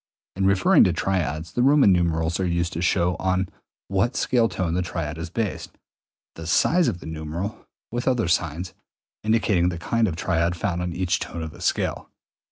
In referring to triads the Roman numerals are used to show on what scale tone the triad is based, the size of the numeral (with other signs) indicating the kind of triad found on each tone of the scale.